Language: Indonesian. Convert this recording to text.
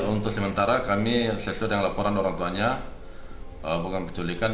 untuk sementara kami sektor yang laporan orang tuanya bukan penculikan